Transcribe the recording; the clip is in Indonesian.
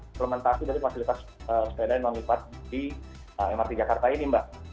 implementasi dari fasilitas sepeda non lipat di mrt jakarta ini mbak